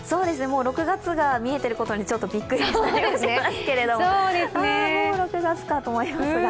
６月が見えていることにちょっとびっくりしますけれども、もう６月かと思いますが。